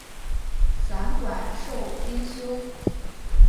散馆授编修。